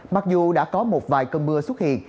mặc dù đã có một vài cơn mưa xuất hiện